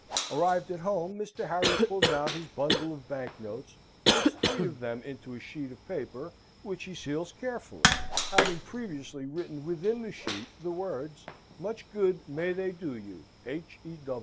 Arrived at home, Mr. Harry pulls out his bundle of bank notes; puts three of them into a sheet of paper, which he seals carefully, having previously written within the sheet the words, "Much good may they do you. H. E.